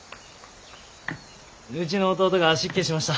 うちの弟が失敬しました。